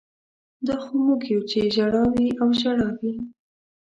دا خو موږ یو چې ژړا وي او ژړا وي